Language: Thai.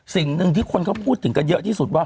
สิ่งหนึ่งที่คนเขาพูดถึงกันเยอะที่สุดว่า